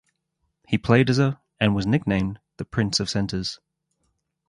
He played as a and was nicknamed the "Prince of Centres".